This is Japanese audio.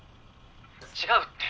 違うって。